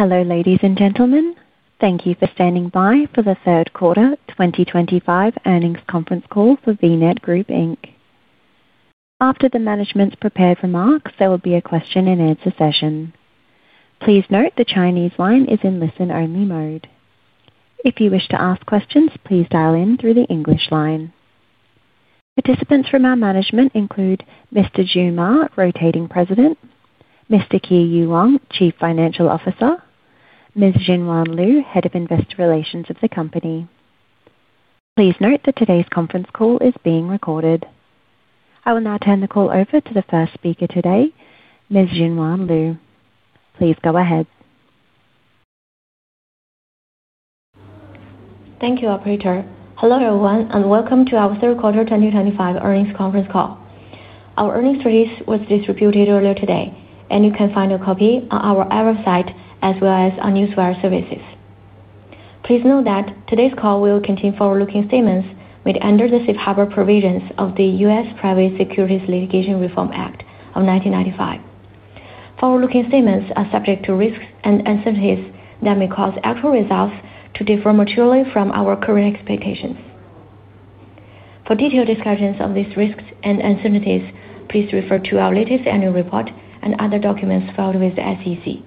Hello, ladies and gentlemen. Thank you for standing by for the third quarter 2025 earnings conference call for VNET Group. After the management's prepared remarks, there will be a question-and-answer session. Please note the Chinese line is in listen-only mode. If you wish to ask questions, please dial in through the English line. Participants from our management include Mr. Ju Ma, Rotating President; Mr. Qiyu Wang, Chief Financial Officer; Ms. Shengguang Liu, Head of Investor Relations of the company. Please note that today's conference call is being recorded. I will now turn the call over to the first speaker today, Ms. Shengguang Liu. Please go ahead. Thank you, our pre-turn. Hello, everyone, and welcome to our third quarter 2025 earnings conference call. Our earnings release was distributed earlier today, and you can find a copy on our ARRIVE site as well as on NewsWire services. Please note that today's call will contain forward-looking statements within the safe harbor provisions of the U.S. Private Securities Litigation Reform Act of 1995. Forward-looking statements are subject to risks and uncertainties that may cause actual results to differ materially from our current expectations. For detailed discussions of these risks and uncertainties, please refer to our latest annual report and other documents filed with the SEC.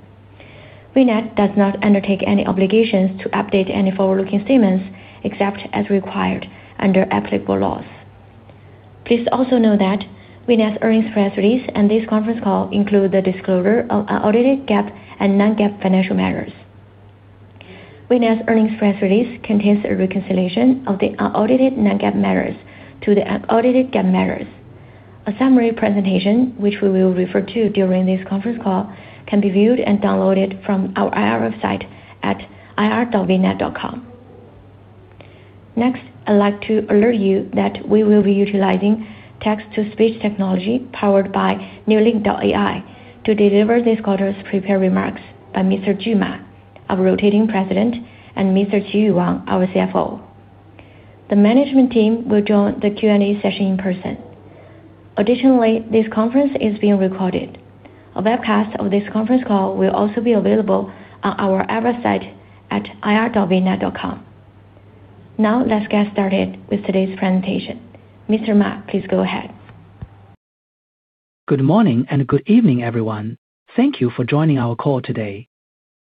VNET does not undertake any obligations to update any forward-looking statements except as required under applicable laws. Please also note that VNET's earnings press release and this conference call include the disclosure of unaudited GAAP and non-GAAP financial matters. VNET's earnings press release contains a reconciliation of the unaudited non-GAAP matters to the unaudited GAAP matters. A summary presentation, which we will refer to during this conference call, can be viewed and downloaded from our ARRIVE site at ir.vnet.com. Next, I'd like to alert you that we will be utilizing text-to-speech technology powered by Neulink.ai to deliver this quarter's prepared remarks by Mr. Ju Ma, our Rotating President, and Mr. Qiyu Wang, our CFO. The management team will join the Q&A session in person. Additionally, this conference is being recorded. A webcast of this conference call will also be available on our ARRIVE site at ir.vnet.com. Now, let's get started with today's presentation. Mr. Ma, please go ahead. Good morning and good evening, everyone. Thank you for joining our call today.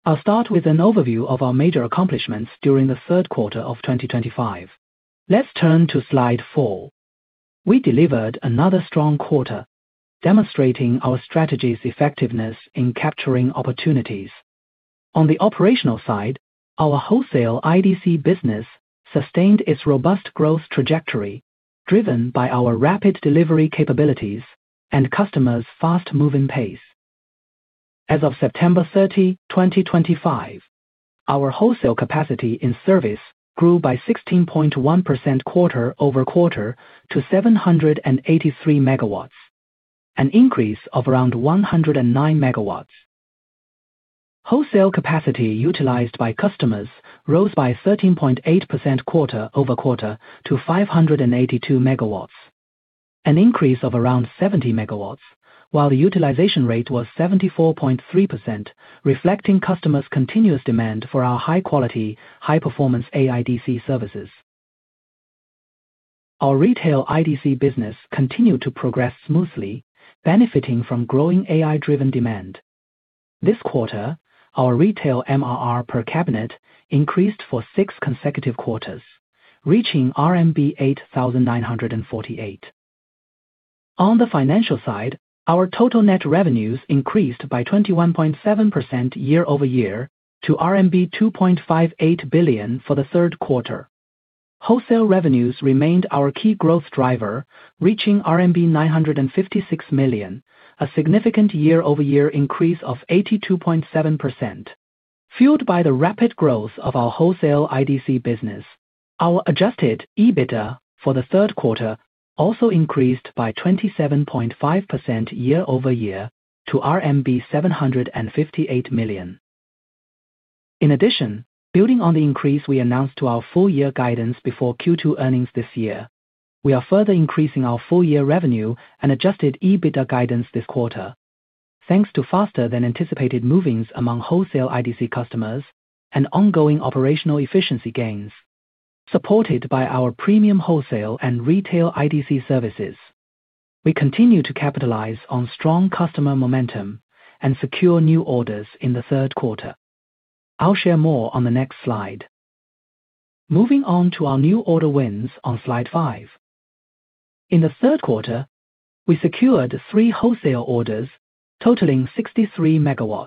I'll start with an overview of our major accomplishments during the third quarter of 2025. Let's turn to slide four. We delivered another strong quarter, demonstrating our strategy's effectiveness in capturing opportunities. On the operational side, our wholesale IDC business sustained its robust growth trajectory, driven by our rapid delivery capabilities and customers' fast-moving pace. As of September 30, 2025, our wholesale capacity in service grew by 16.1% quarter over quarter to 783 megawatts, an increase of around 109 megawatts. Wholesale capacity utilized by customers rose by 13.8% quarter over quarter to 582 megawatts, an increase of around 70 megawatts, while the utilization rate was 74.3%, reflecting customers' continuous demand for our high-quality, high-performance AIDC services. Our retail IDC business continued to progress smoothly, benefiting from growing AI-driven demand. This quarter, our retail MRR per cabinet increased for six consecutive quarters, reaching RMB 8,948. On the financial side, our total net revenues increased by 21.7% year over year to RMB 2.58 billion for the third quarter. Wholesale revenues remained our key growth driver, reaching RMB 956 million, a significant year-over-year increase of 82.7%. Fueled by the rapid growth of our wholesale IDC business, our adjusted EBITDA for the third quarter also increased by 27.5% year over year to RMB 758 million. In addition, building on the increase we announced to our full-year guidance before Q2 earnings this year, we are further increasing our full-year revenue and adjusted EBITDA guidance this quarter, thanks to faster-than-anticipated movings among wholesale IDC customers and ongoing operational efficiency gains, supported by our premium wholesale and retail IDC services. We continue to capitalize on strong customer momentum and secure new orders in the third quarter. I'll share more on the next slide. Moving on to our new order wins on slide five. In the third quarter, we secured three wholesale orders totaling 63 MW.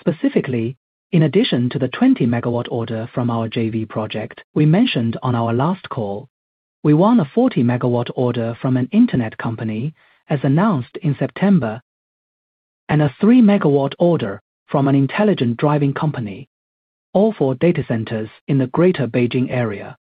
Specifically, in addition to the 20 MW order from our JV project we mentioned on our last call, we won a 40 MW order from an internet company, as announced in September, and a 3 MW order from an intelligent driving company, all for data centers in the Greater Beijing area.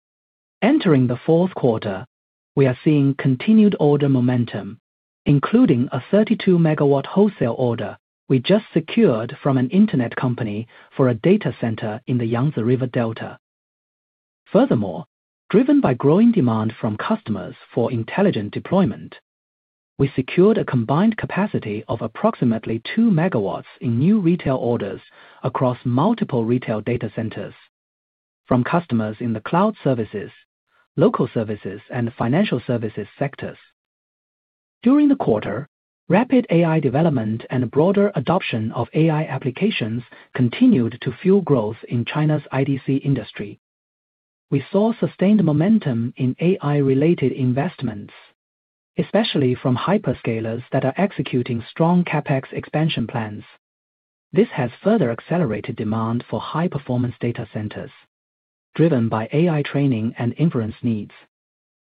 Entering the fourth quarter, we are seeing continued order momentum, including a 32 MW wholesale order we just secured from an internet company for a data center in the Yangtze River Delta. Furthermore, driven by growing demand from customers for intelligent deployment, we secured a combined capacity of approximately 2 MW in new retail orders across multiple retail data centers from customers in the cloud services, local services, and financial services sectors. During the quarter, rapid AI development and broader adoption of AI applications continued to fuel growth in China's IDC industry. We saw sustained momentum in AI-related investments, especially from hyperscalers that are executing strong CapEx expansion plans. This has further accelerated demand for high-performance data centers. Driven by AI training and inference needs,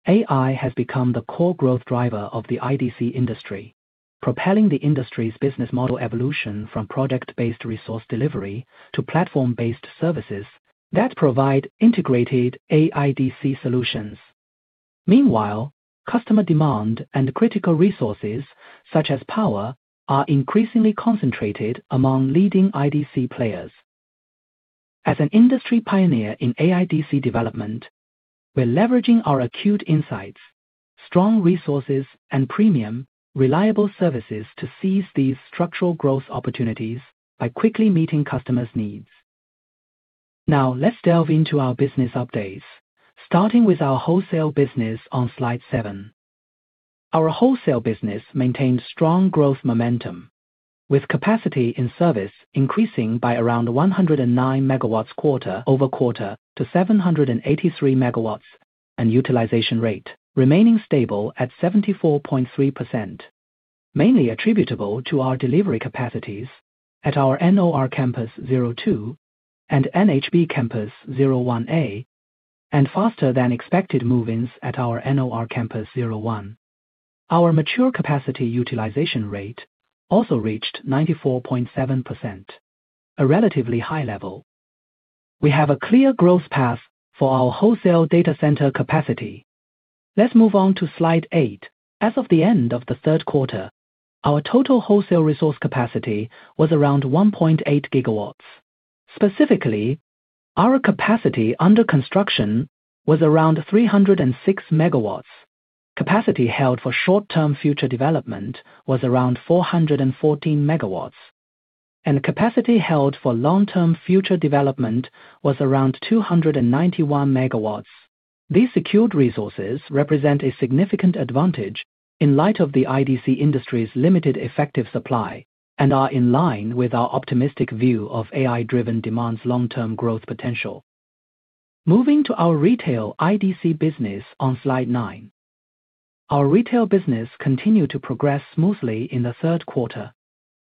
AI has become the core growth driver of the IDC industry, propelling the industry's business model evolution from product-based resource delivery to platform-based services that provide integrated AIDC solutions. Meanwhile, customer demand and critical resources, such as power, are increasingly concentrated among leading IDC players. As an industry pioneer in AIDC development, we're leveraging our acute insights, strong resources, and premium, reliable services to seize these structural growth opportunities by quickly meeting customers' needs. Now, let's delve into our business updates, starting with our wholesale business on slide seven. Our wholesale business maintained strong growth momentum, with capacity in service increasing by around 109 MW quarter over quarter to 783 MW, and utilization rate remaining stable at 74.3%, mainly attributable to our delivery capacities at our NOR Campus 02 and NHB Campus 01A, and faster-than-expected movings at our NOR Campus 01. Our mature capacity utilization rate also reached 94.7%, a relatively high level. We have a clear growth path for our wholesale data center capacity. Let's move on to slide eight. As of the end of the third quarter, our total wholesale resource capacity was around 1.8 GW. Specifically, our capacity under construction was around 306 MW. Capacity held for short-term future development was around 414 megawatts, and capacity held for long-term future development was around 291 megawatts. These secured resources represent a significant advantage in light of the IDC industry's limited effective supply and are in line with our optimistic view of AI-driven demand's long-term growth potential. Moving to our retail IDC business on slide nine. Our retail business continued to progress smoothly in the third quarter.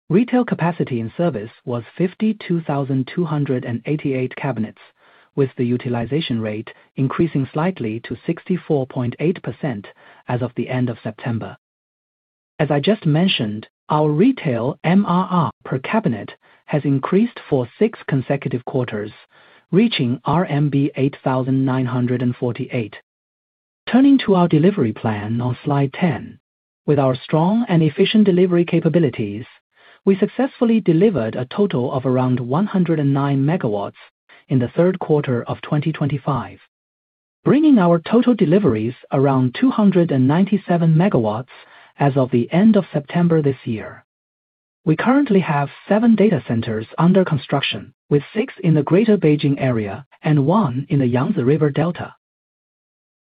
Retail capacity in service was 52,288 cabinets, with the utilization rate increasing slightly to 64.8% as of the end of September. As I just mentioned, our retail MRR per cabinet has increased for six consecutive quarters, reaching RMB 8,948. Turning to our delivery plan on Slide 10. With our strong and efficient delivery capabilities, we successfully delivered a total of around 109 megawatts in the third quarter of 2023, bringing our total deliveries around 297 MW as of the end of September this year. We currently have seven data centers under construction, with six in the Greater Beijing area and one in the Yangtze River Delta.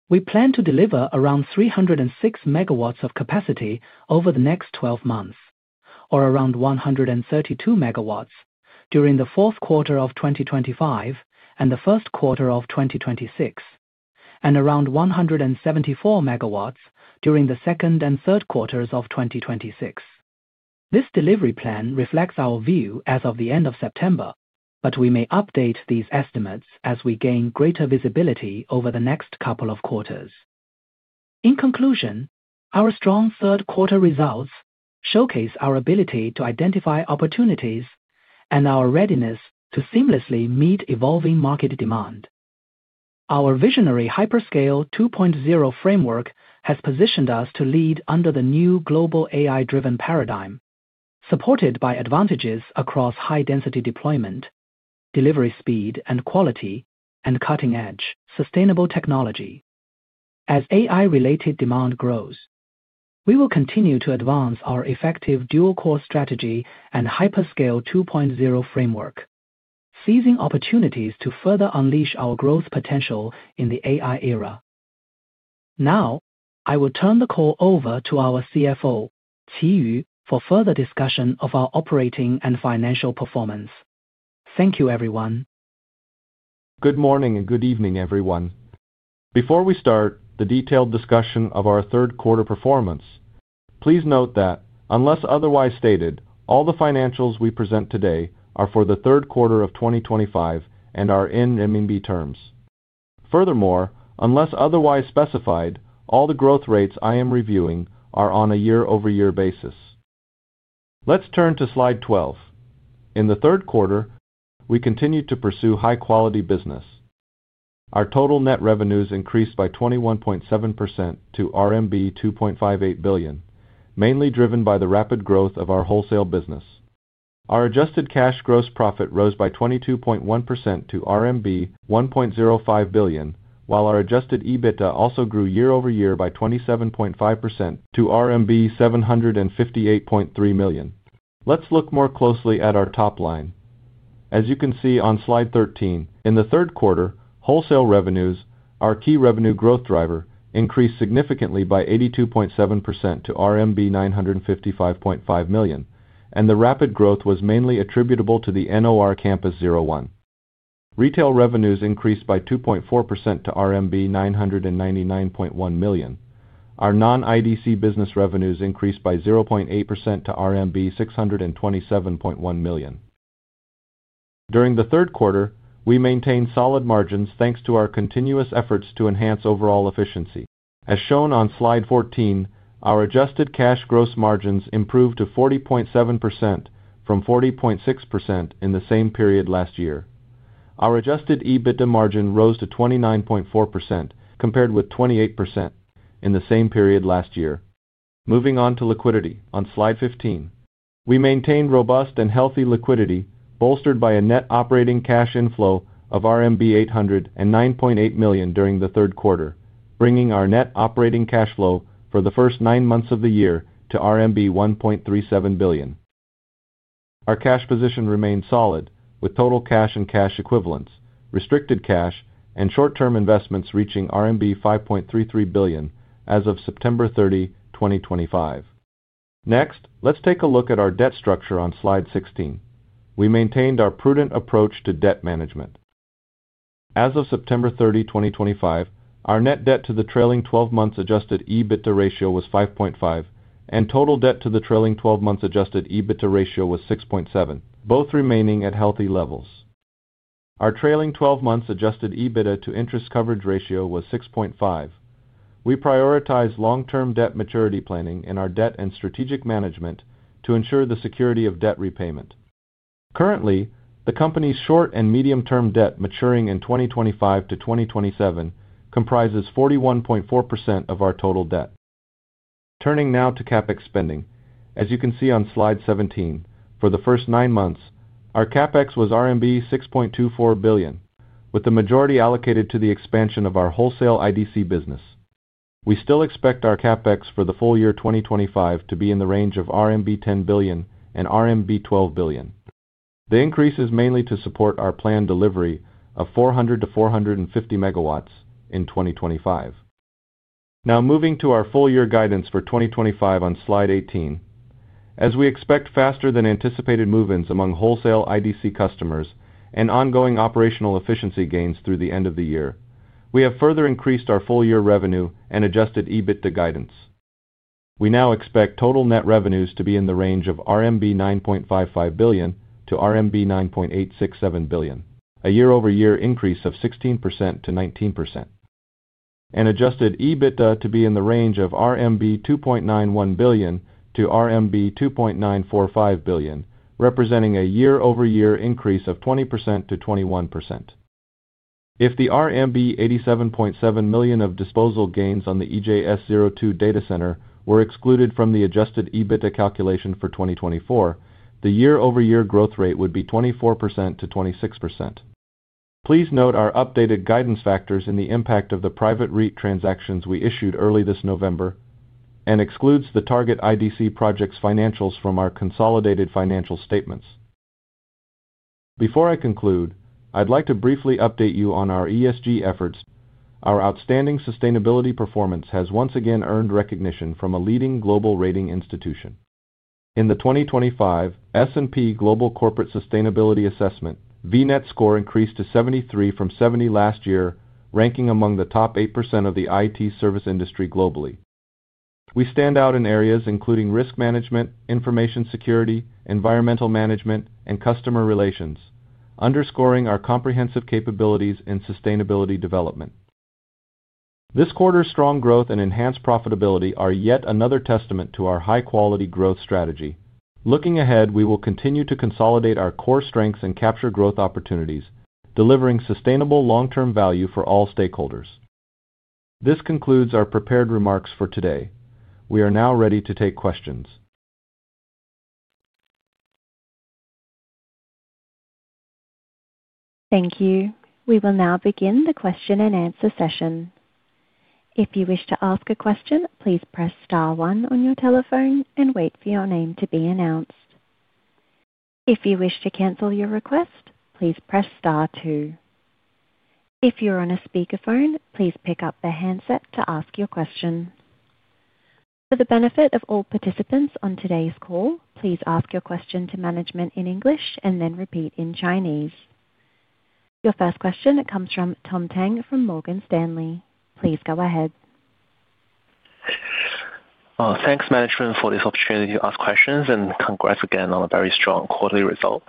We plan to deliver around 306 MW of capacity over the next 12 months, or around 132 MW during the fourth quarter of 2025 and the first quarter of 2026, and around 174 MW during the second and third quarters of 2026. This delivery plan reflects our view as of the end of September, but we may update these estimates as we gain greater visibility over the next couple of quarters. In conclusion, our strong third-quarter results showcase our ability to identify opportunities and our readiness to seamlessly meet evolving market demand. Our visionary Hyperscale 2.0 framework has positioned us to lead under the new global AI-driven paradigm, supported by advantages across high-density deployment, delivery speed and quality, and cutting-edge sustainable technology. As AI-related demand grows, we will continue to advance our effective dual-core strategy and Hyperscale 2.0 framework, seizing opportunities to further unleash our growth potential in the AI era. Now, I will turn the call over to our CFO, Qiyu Wang, for further discussion of our operating and financial performance. Thank you, everyone. Good morning and good evening, everyone. Before we start the detailed discussion of our third-quarter performance, please note that, unless otherwise stated, all the financials we present today are for the third quarter of 2025 and are in RMB terms. Furthermore, unless otherwise specified, all the growth rates I am reviewing are on a year-over-year basis. Let's turn to slide twelve. In the third quarter, we continued to pursue high-quality business. Our total net revenues increased by 21.7% to RMB 2.58 billion, mainly driven by the rapid growth of our wholesale business. Our adjusted cash gross profit rose by 22.1% to RMB 1.05 billion, while our adjusted EBITDA also grew year-over-year by 27.5% to RMB 758.3 million. Let's look more closely at our top line. As you can see on slide thirteen, in the third quarter, wholesale revenues, our key revenue growth driver, increased significantly by 82.7% to RMB 955.5 million, and the rapid growth was mainly attributable to the NOR Campus 01. Retail revenues increased by 2.4% to RMB 999.1 million. Our non-IDC business revenues increased by 0.8% to RMB 627.1 million. During the third quarter, we maintained solid margins thanks to our continuous efforts to enhance overall efficiency. As shown on slide fourteen, our adjusted cash gross margins improved to 40.7% from 40.6% in the same period last year. Our adjusted EBITDA margin rose to 29.4%, compared with 28% in the same period last year. Moving on to liquidity on slide fifteen, we maintained robust and healthy liquidity, bolstered by a net operating cash inflow of RMB 809.8 million during the third quarter, bringing our net operating cash flow for the first nine months of the year to RMB 1.37 billion. Our cash position remained solid, with total cash and cash equivalents, restricted cash, and short-term investments reaching RMB 5.33 billion as of September 30, 2025. Next, let's take a look at our debt structure on slide sixteen. We maintained our prudent approach to debt management. As of September 30, 2025, our net debt to the trailing twelve months Adjusted EBITDA ratio was 5.5, and total debt to the trailing twelve months Adjusted EBITDA ratio was 6.7, both remaining at healthy levels. Our trailing twelve months Adjusted EBITDA to interest coverage ratio was 6.5. We prioritize long-term debt maturity planning in our debt and strategic management to ensure the security of debt repayment. Currently, the company's short and medium-term debt maturing in 2025-2027 comprises 41.4% of our total debt. Turning now to CapEx spending, as you can see on slide seventeen, for the first nine months, our CapEx was RMB 6.24 billion, with the majority allocated to the expansion of our wholesale IDC business. We still expect our CapEx for the full year 2025 to be in the range of 10 billion-12 billion RMB. The increase is mainly to support our planned delivery of 400-450 MW in 2025. Now, moving to our full-year guidance for 2025 on slide eighteen. As we expect faster-than-anticipated movings among wholesale IDC customers and ongoing operational efficiency gains through the end of the year, we have further increased our full-year revenue and adjusted EBITDA guidance. We now expect total net revenues to be in the range of 9.55 billion-9.867 billion RMB, a year-over-year increase of 16%-19%, and adjusted EBITDA to be in the range of 2.91 billion-2.945 billion RMB, representing a year-over-year increase of 20%-21%. If the RMB 87.7 million of disposal gains on the EJS02 data center were excluded from the adjusted EBITDA calculation for 2024, the year-over-year growth rate would be 24%-26%. Please note our updated guidance factors in the impact of the private REIT transactions we issued early this November and excludes the target IDC project's financials from our consolidated financial statements. Before I conclude, I'd like to briefly update you on our ESG efforts. Our outstanding sustainability performance has once again earned recognition from a leading global rating institution. In the 2025 S&P Global Corporate Sustainability Assessment, VNET score increased to 73 from 70 last year, ranking among the top 8% of the IT service industry globally. We stand out in areas including risk management, information security, environmental management, and customer relations, underscoring our comprehensive capabilities in sustainability development. This quarter's strong growth and enhanced profitability are yet another testament to our high-quality growth strategy. Looking ahead, we will continue to consolidate our core strengths and capture growth opportunities, delivering sustainable long-term value for all stakeholders. This concludes our prepared remarks for today. We are now ready to take questions. Thank you. We will now begin the question-and-answer session. If you wish to ask a question, please press star one on your telephone and wait for your name to be announced. If you wish to cancel your request, please press star two. If you're on a speakerphone, please pick up the handset to ask your question. For the benefit of all participants on today's call, please ask your question to management in English and then repeat in Chinese. Your first question, it comes from Tom Tang from Morgan Stanley. Please go ahead. Thanks, management, for this opportunity to ask questions, and congrats again on a very strong quarterly result.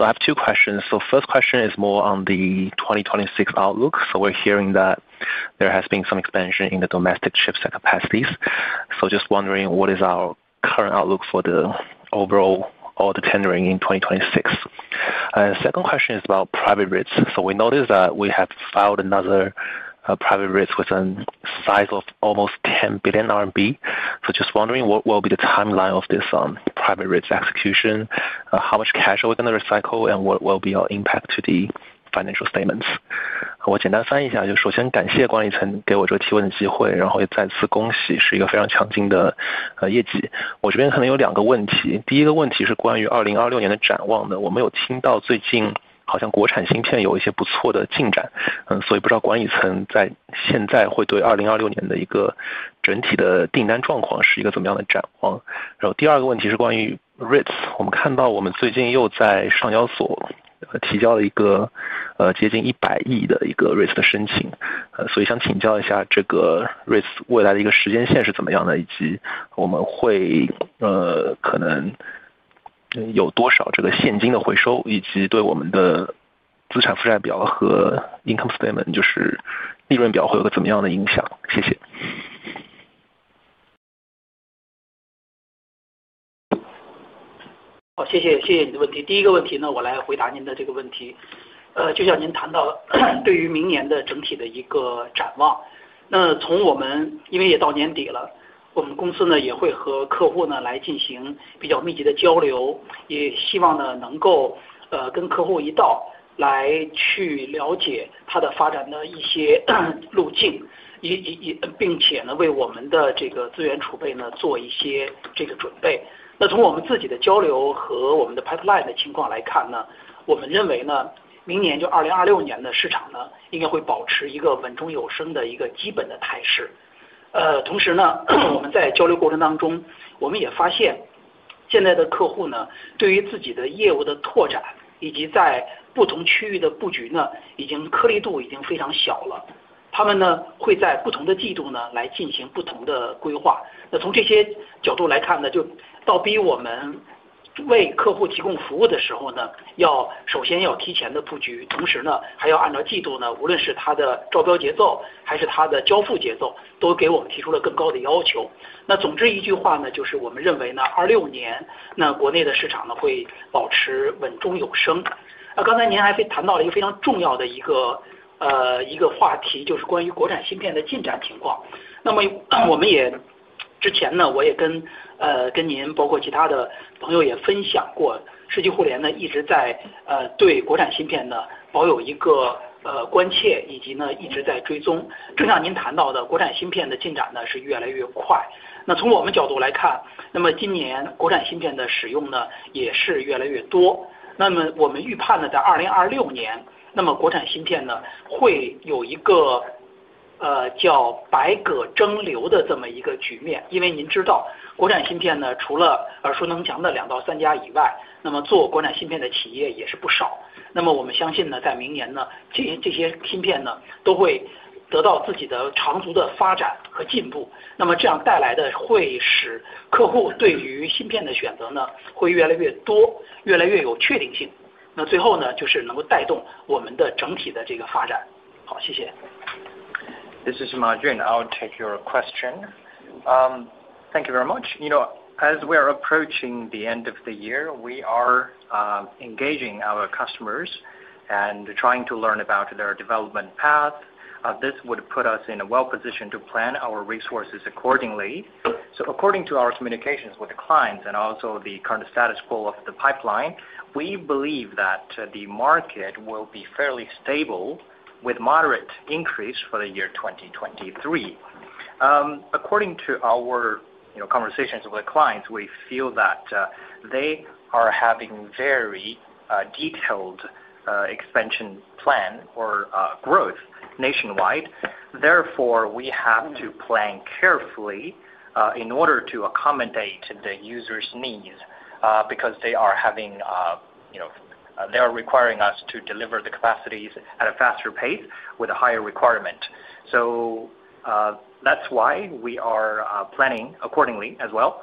I have two questions. The first question is more on the 2026 outlook. We're hearing that there has been some expansion in the domestic chips and capacities. Just wondering, what is our current outlook for the overall order tendering in 2026? The second question is about private REITs. We noticed that we have filed another private REIT with a size of almost 10 billion RMB. Just wondering, what will be the timeline of this private REIT execution? How much cash are we going to recycle, and what will be our impact to the financial statements? 我简单翻译一下就是，首先感谢管理层给我这个提问的机会，然后也再次恭喜，是一个非常强劲的业绩。我这边可能有两个问题。第一个问题是关于2026年的展望呢，我们有听到最近好像国产芯片有一些不错的进展，所以不知道管理层在现在会对2026年的一个整体的订单状况是一个怎么样的展望。然后第二个问题是关于REITs，我们看到我们最近又在上交所提交了一个接近CNY 10 billion的一个REITs的申请，所以想请教一下这个REITs未来的一个时间线是怎么样的，以及我们会可能有多少这个现金的回收，以及对我们的资产负债表和income statement，就是利润表会有个怎么样的影响。谢谢。This is Marjin, I'll take your question. Thank you very much. As we are approaching the end of the year, we are engaging our customers and trying to learn about their development path. This would put us in a well-positioned to plan our resources accordingly. According to our communications with the clients and also the current status quo of the pipeline, we believe that the market will be fairly stable with moderate increase for the year 2023. According to our conversations with the clients, we feel that they are having very detailed expansion plan or growth nationwide. Therefore, we have to plan carefully in order to accommodate the users' needs because they are requiring us to deliver the capacities at a faster pace with a higher requirement. That is why we are planning accordingly as well.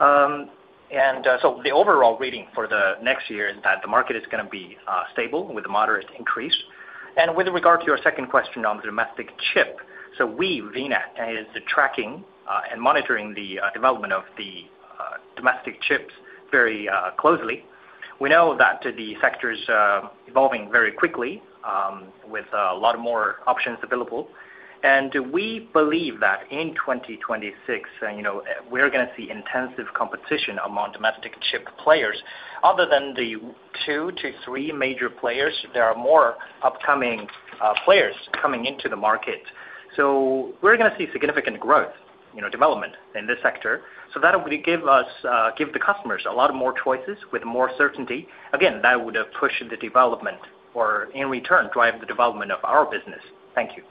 The overall reading for the next year is that the market is going to be stable with a moderate increase. With regard to your second question on the domestic chip, we VNET are tracking and monitoring the development of the domestic chips very closely. We know that the sector is evolving very quickly with a lot more options available. We believe that in 2026, we are going to see intensive competition among domestic chip players. Other than the two to three major players, there are more upcoming players coming into the market. We are going to see significant growth development in this sector. That would give us, give the customers a lot more choices with more certainty. Again, that would push the development or in return drive the development of our business. Thank you.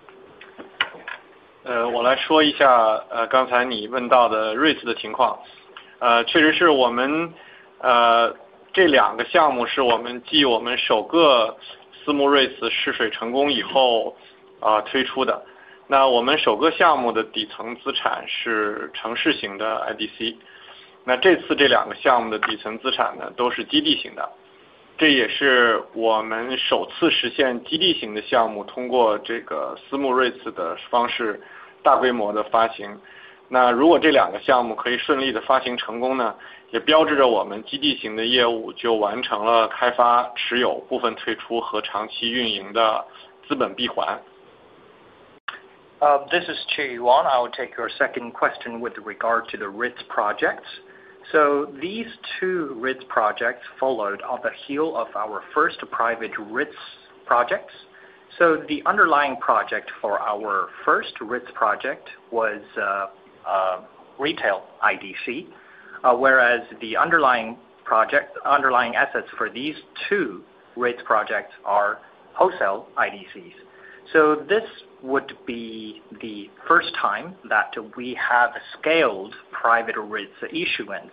This is Qiyu Wang. I'll take your second question with regard to the REITs projects. These two REITs projects followed on the heel of our first private REITs projects. The underlying project for our first REITs project was retail IDC, whereas the underlying assets for these two REITs projects are wholesale IDCs. This would be the first time that we have scaled private REITs issuance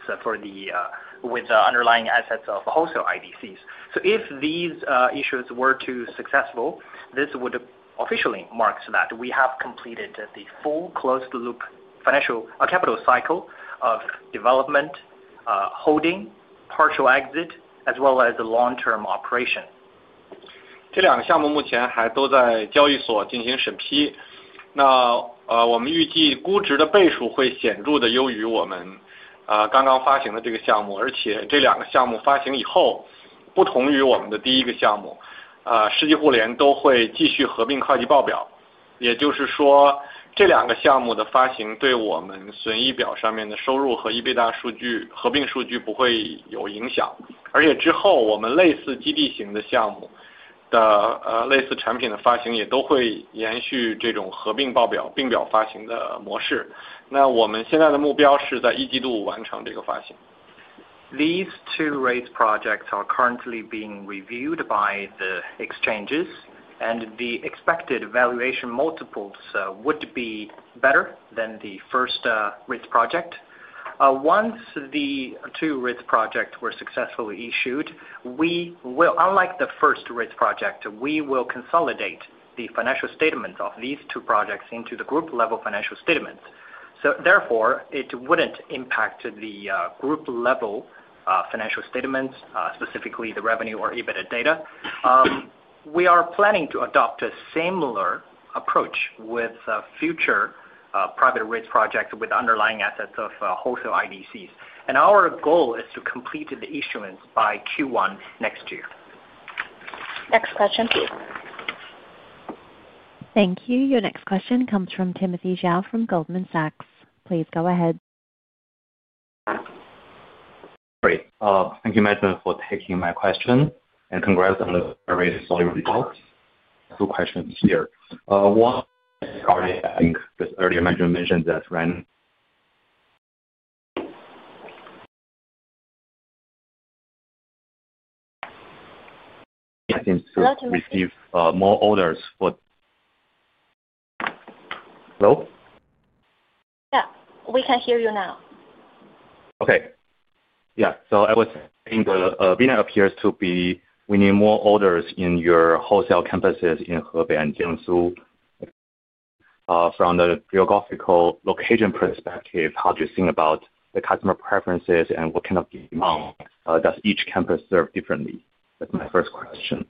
with underlying assets of wholesale IDCs. If these issuance were too successful, this would officially mark that we have completed the full closed-loop capital cycle of development, holding, partial exit, as well as the long-term operation. 这两个项目目前还都在交易所进行审批。那我们预计估值的倍数会显著的优于我们刚刚发行的这个项目。而且这两个项目发行以后，不同于我们的第一个项目，世纪互联都会继续合并会计报表。也就是说这两个项目的发行对我们损益表上面的收入和EBITDA数据合并数据不会有影响。而且之后我们类似基地型的项目的类似产品的发行也都会延续这种合并报表并表发行的模式。那我们现在的目标是在一季度完成这个发行。These two REITs projects are currently being reviewed by the exchanges, and the expected valuation multiples would be better than the first REITs project. Once the two REITs projects were successfully issued, we will, unlike the first REITs project, consolidate the financial statements of these two projects into the group-level financial statements. Therefore, it would not impact the group-level financial statements, specifically the revenue or EBITDA data. We are planning to adopt a similar approach with future private REITs projects with underlying assets of wholesale IDCs. Our goal is to complete the issuance by Q1 next year. Next question. Thank you. Your next question comes from Timothy Zhao from Goldman Sachs. Please go ahead. Great. Thank you, Management, for taking my question, and congrats on the very solid results. Two questions here. One is regarding, I think, just earlier Management mentioned that we have seemed to receive more orders for—hello? Yeah, we can hear you now. Okay. Yeah. I was saying that VNET appears to be, we need more orders in your wholesale campuses in Hebei and Jiangsu. From the geographical location perspective, how do you think about the customer preferences and what kind of demand does each campus serve differently? That's my first question.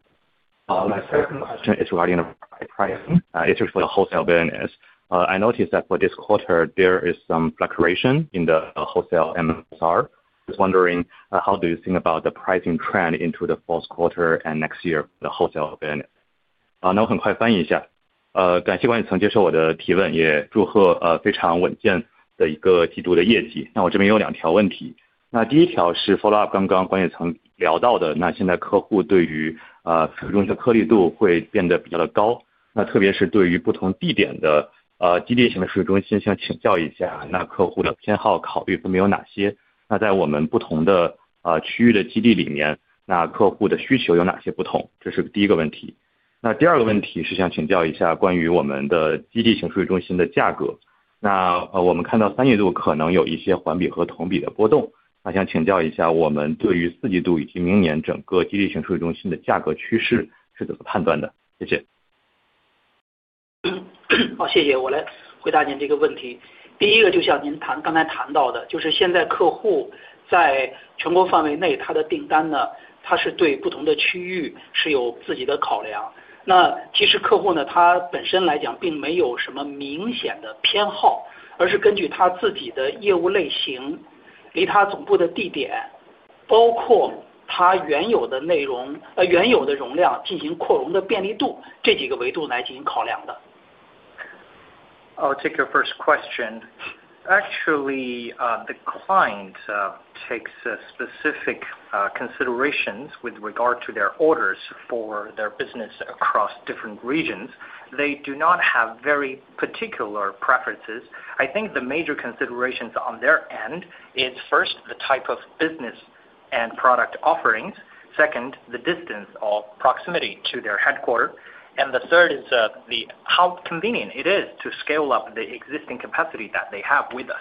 My second question is regarding the pricing. It's for the wholesale business. I noticed that for this quarter, there is some fluctuation in the wholesale MRR. Just wondering, how do you think about the pricing trend into the fourth quarter and next year for the wholesale business? 好，谢谢。我来回答您这个问题。第一个就像您刚才谈到的，就是现在客户在全国范围内他的订单呢，他是对不同的区域是有自己的考量。那其实客户呢，他本身来讲并没有什么明显的偏好，而是根据他自己的业务类型、离他总部的地点，包括他原有的内容、原有的容量进行扩容的便利度，这几个维度来进行考量的。I'll take your first question. Actually, the client takes specific considerations with regard to their orders for their business across different regions. They do not have very particular preferences. I think the major considerations on their end is first the type of business and product offerings, second the distance or proximity to their headquarter, and the third is how convenient it is to scale up the existing capacity that they have with us.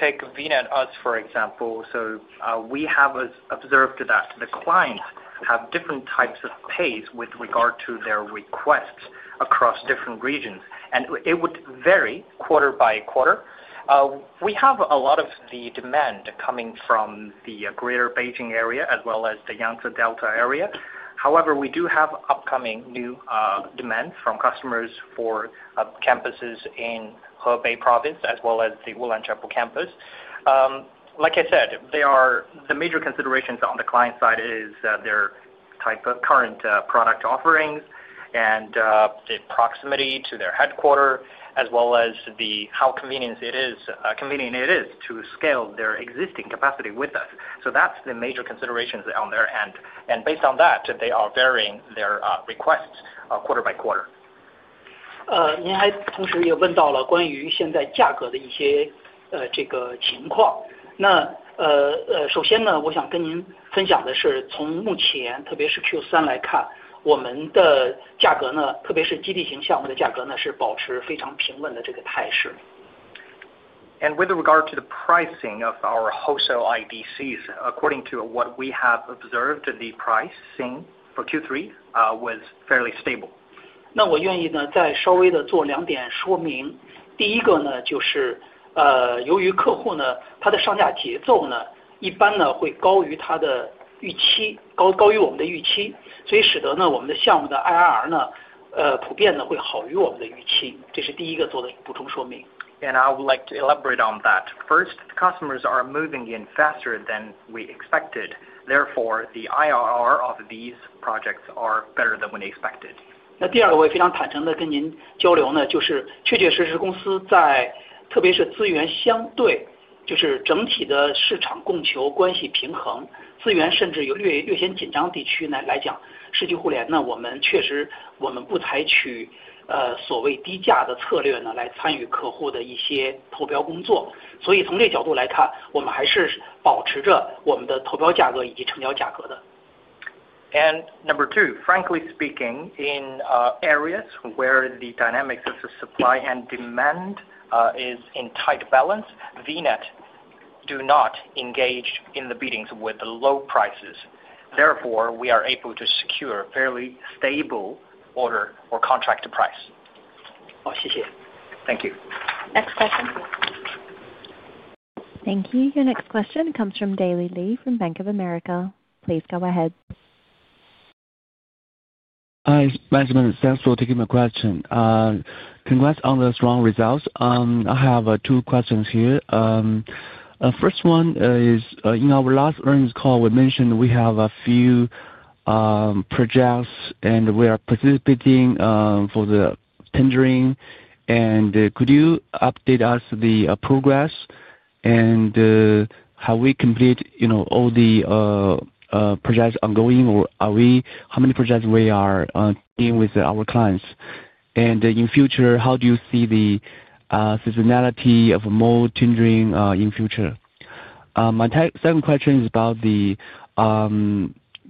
Take VNET for example. We have observed that clients have different types of pace with regard to their requests across different regions. It would vary quarter by quarter. We have a lot of the demand coming from the Greater Beijing Area as well as the Yangtze River Delta area. However, we do have upcoming new demands from customers for campuses in Hebei Province as well as the Ulanqab campus. Like I said, the major considerations on the client side are their current product offerings and the proximity to their headquarters as well as how convenient it is to scale their existing capacity with us. That is the major consideration on their end. Based on that, they are varying their requests quarter by quarter. 您还同时也问到了关于现在价格的一些情况。那首先呢，我想跟您分享的是从目前特别是Q3来看，我们的价格呢，特别是基地型项目的价格呢，是保持非常平稳的这个态势。With regard to the pricing of our wholesale IDCs, according to what we have observed, the pricing for Q3 was fairly stable. 那我愿意呢再稍微的做两点说明。第一个呢，就是由于客户呢，他的上架节奏呢，一般呢会高于他的预期，高于我们的预期。所以使得呢，我们的项目的IR呢，普遍呢会好于我们的预期。这是第一个做的补充说明。I would like to elaborate on that. First, customers are moving in faster than we expected. Therefore, the IR of these projects are better than we expected. Number two, frankly speaking, in areas where the dynamics of supply and demand is in tight balance, VNET do not engage in the biddings with low prices. Therefore, we are able to secure fairly stable order or contract price. 好，谢谢。Thank you. Next question. Thank you. Your next question comes from Dean Liu from Bank of America. Please go ahead. Hi, Management. Thanks for taking my question. Congrats on the strong results. I have two questions here. First one is in our last earnings call, we mentioned we have a few projects and we are participating for the tendering. Could you update us the progress and how we complete all the projects ongoing, or how many projects we are doing with our clients? In future, how do you see the seasonality of more tendering in future? My second question is about the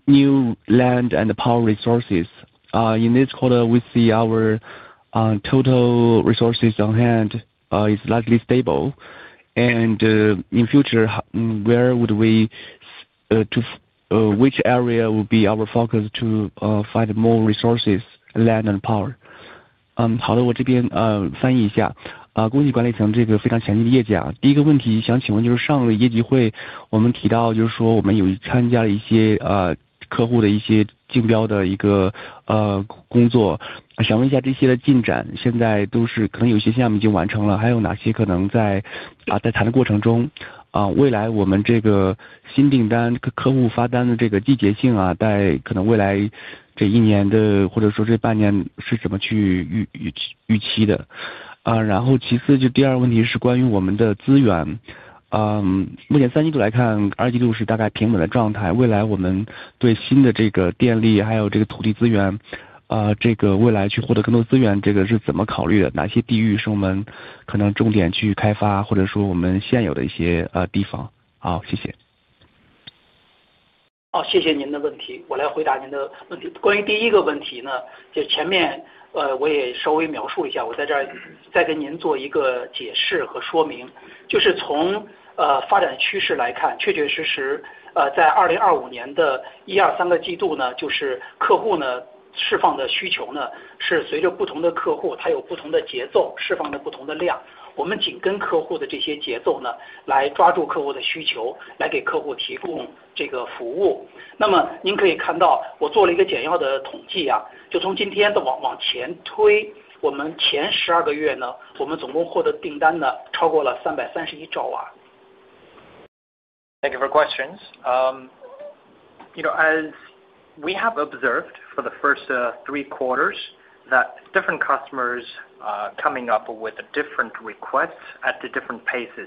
new land and power resources. In this quarter, we see our total resources on hand is likely stable. In future, where would we, which area will be our focus to find more resources, land and power? 好，谢谢您的问题。我来回答您的问题。关于第一个问题呢，就前面我也稍微描述一下。我在这儿再跟您做一个解释和说明。就是从发展趋势来看，确确实实在2025年的一二三个季度呢，就是客户呢，释放的需求呢，是随着不同的客户，他有不同的节奏，释放的不同的量。我们紧跟客户的这些节奏呢，来抓住客户的需求，来给客户提供这个服务。那么您可以看到，我做了一个简要的统计，就从今天往前推，我们前12个月呢，我们总共获得订单呢，超过了331兆瓦。Thank you for questions. As we have observed for the first three quarters, different customers are coming up with different requests at different paces.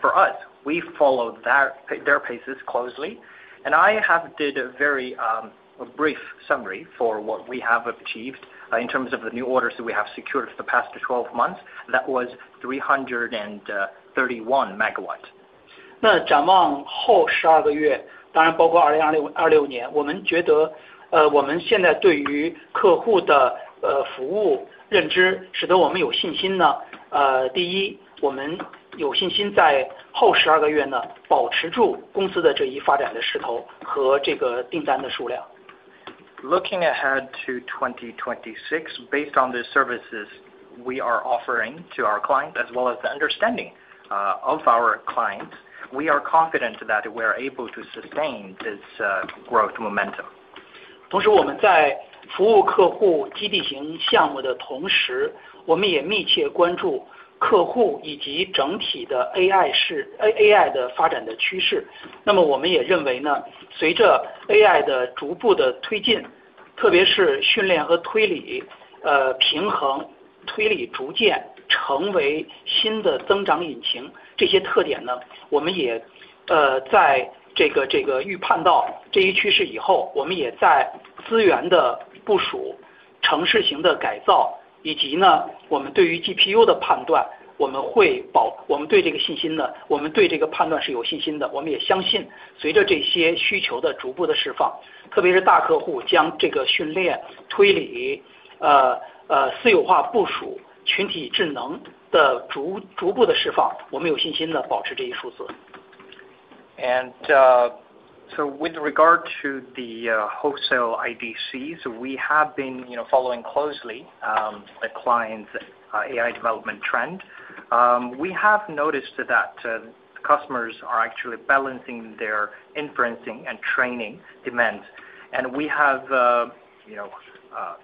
For us, we follow their paces closely. I have did a very brief summary for what we have achieved in terms of the new orders that we have secured for the past 12 months. That was 331 megawatts. 那展望后12个月，当然包括2026年，我们觉得我们现在对于客户的服务认知使得我们有信心呢，第一，我们有信心在后12个月呢，保持住公司的这一发展的势头和这个订单的数量。Looking ahead to 2026, based on the services we are offering to our clients as well as the understanding of our clients, we are confident that we are able to sustain this growth momentum. With regard to the wholesale IDCs, we have been following closely the client's AI development trend. We have noticed that customers are actually balancing their inferencing and training demands. We have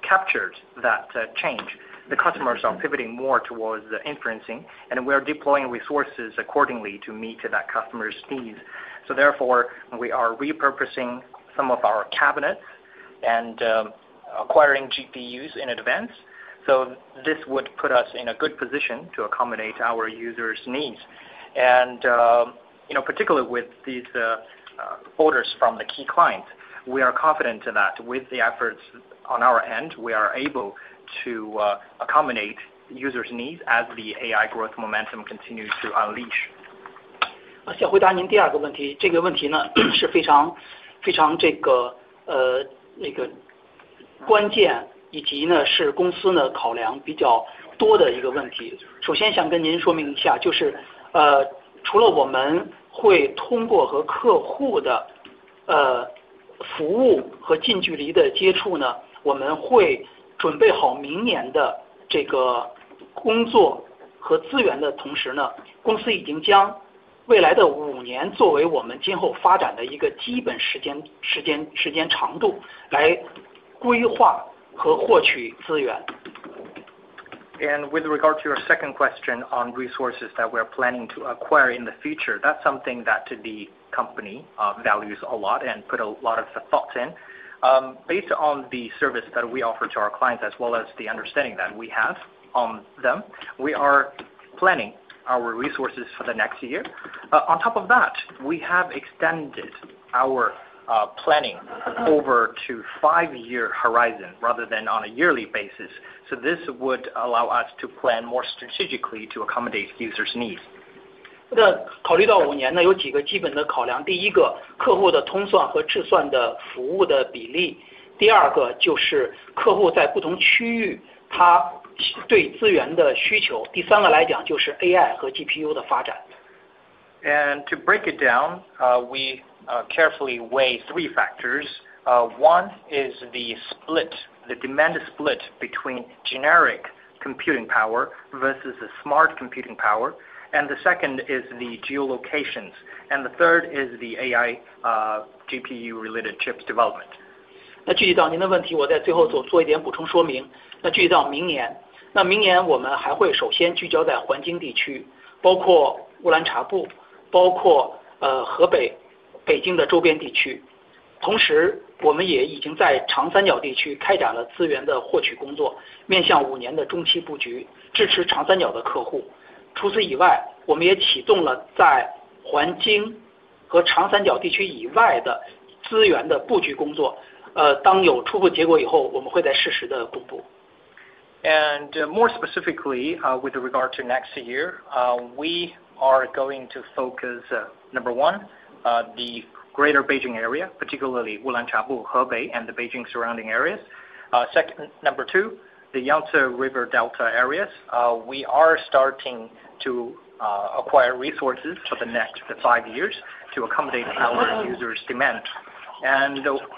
captured that change. The customers are pivoting more towards the inferencing, and we are deploying resources accordingly to meet that customer's needs. Therefore, we are repurposing some of our cabinets and acquiring GPUs in advance. This would put us in a good position to accommodate our users' needs. Particularly with these orders from the key clients, we are confident that with the efforts on our end, we are able to accommodate users' needs as the AI growth momentum continues to unleash. 谢谢。我回答您第二个问题。这个问题呢，是非常关键，以及呢，是公司呢，考量比较多的一个问题。首先想跟您说明一下，就是除了我们会通过和客户的服务和近距离的接触呢，我们会准备好明年的这个工作和资源的同时呢，公司已经将未来的五年作为我们今后发展的一个基本时间长度来规划和获取资源。With regard to your second question on resources that we are planning to acquire in the future, that's something that the company values a lot and puts a lot of thought in. Based on the service that we offer to our clients, as well as the understanding that we have on them, we are planning our resources for the next year. On top of that, we have extended our planning over to a five-year horizon rather than on a yearly basis. This would allow us to plan more strategically to accommodate users' needs. 考虑到五年呢，有几个基本的考量。第一个，客户的通算和测算的服务的比例。第二个就是客户在不同区域他对资源的需求。第三个来讲就是AI和GPU的发展。To break it down, we carefully weigh three factors. One is the split, the demand split between generic computing power versus smart computing power. The second is the geolocations. The third is the AI GPU-related chips development. 那具体到您的问题，我在最后做一点补充说明。那具体到明年，那明年我们还会首先聚焦在环京地区，包括乌兰察布，包括河北、北京的周边地区。同时我们也已经在长三角地区开展了资源的获取工作，面向五年的中期布局，支持长三角的客户。除此以外，我们也启动了在环京和长三角地区以外的资源的布局工作。当有初步结果以后，我们会在适时的公布。More specifically, with regard to next year, we are going to focus, number one, the Greater Beijing Area, particularly Ulanqab, Hebei, and the Beijing surrounding areas. Number two, the Yangtze River Delta areas. We are starting to acquire resources for the next five years to accommodate our users' demand.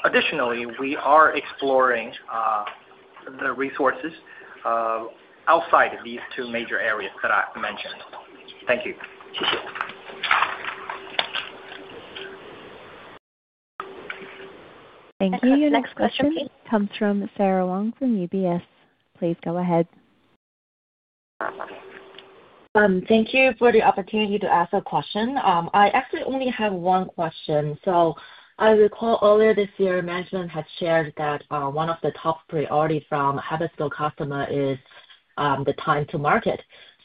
Additionally, we are exploring the resources outside of these two major areas that I mentioned. Thank you. Thank you. Your next question comes from Sarah Wang from UBS. Please go ahead. Thank you for the opportunity to ask a question. I actually only have one question. I recall earlier this year, Management had shared that one of the top priorities from Hyperscale customers is the time to market.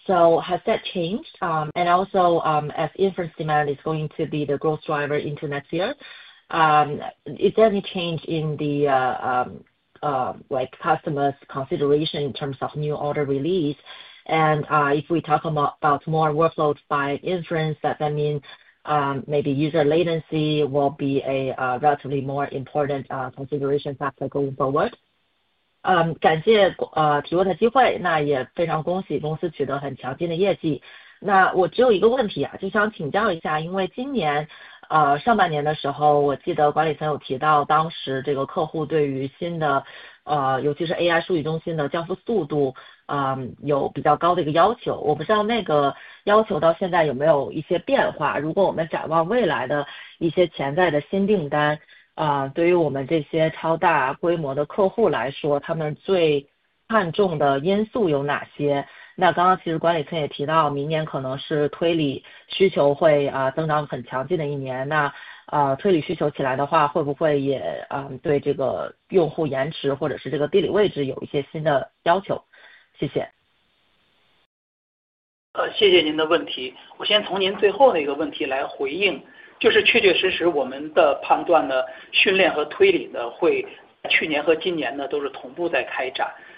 Has that changed? Also, as inference demand is going to be the growth driver into next year, is there any change in the customer's consideration in terms of new order release? If we talk about more workloads by inference, that means maybe user latency will be a relatively more important consideration factor going forward.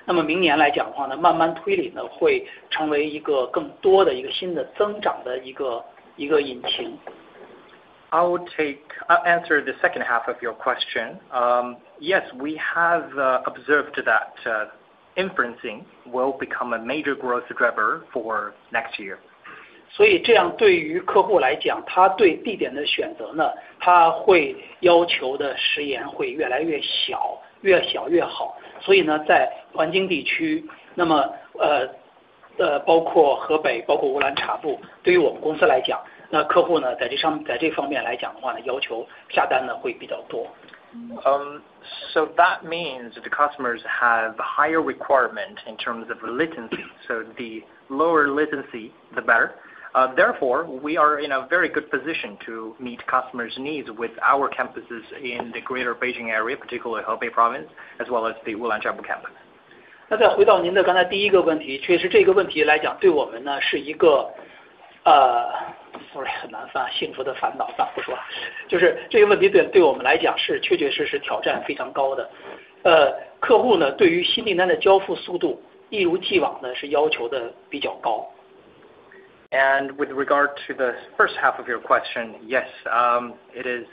I'll take answer the second half of your question. Yes, we have observed that inferencing will become a major growth driver for next year. 所以这样对于客户来讲，他对地点的选择呢，他会要求的时延会越来越小，越小越好。所以呢，在环京地区，那么包括河北，包括乌兰察布，对于我们公司来讲，那客户呢，在这方面来讲的话呢，要求下单呢，会比较多。That means the customers have higher requirement in terms of latency. The lower latency, the better. Therefore, we are in a very good position to meet customers' needs with our campuses in the Greater Beijing Area, particularly Hebei Province, as well as the Ulanqab campus. 那再回到您的刚才第一个问题，确实这个问题来讲，对我们呢，是一个，sorry，很难发，幸福的烦恼，咋不说。就是这个问题对我们来讲是确确实实挑战非常高的。客户呢，对于新订单的交付速度，一如既往呢，是要求的比较高。With regard to the first half of your question, yes, it is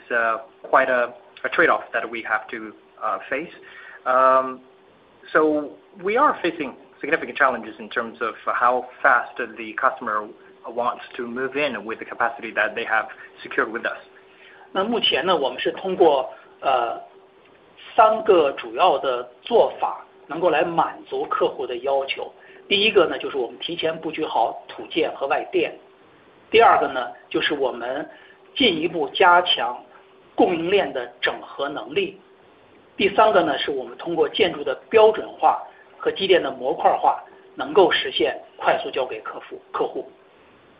quite a trade-off that we have to face. We are facing significant challenges in terms of how fast the customer wants to move in with the capacity that they have secured with us. 那目前呢，我们是通过三个主要的做法能够来满足客户的要求。第一个呢，就是我们提前布局好土建和外电。第二个呢，就是我们进一步加强供应链的整合能力。第三个呢，是我们通过建筑的标准化和机电的模块化，能够实现快速交给客户。